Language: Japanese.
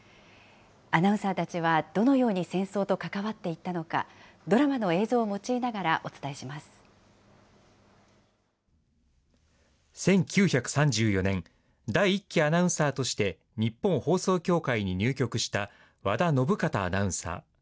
アナウンサーたちはどのように戦争と関わっていったのか、ドラマ１９３４年、第１期アナウンサーとして日本放送協会に入局した和田信賢アナウンサー。